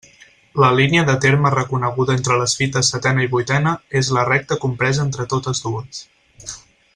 La línia de terme reconeguda entre les fites setena i vuitena és la recta compresa entre totes dues.